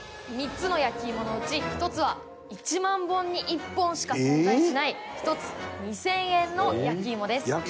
３つの焼き芋のうち１つは１万本に１本しか存在しない１つ２０００円の焼き芋です。